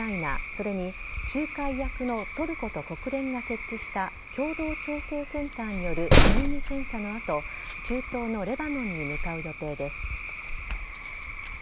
それに仲介役のトルコと国連が設置した共同調整センターによる積み荷検査の後中東のレバノンに向かう予定です。